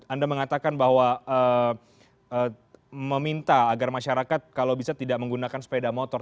anda mengatakan bahwa meminta agar masyarakat kalau bisa tidak menggunakan sepeda motor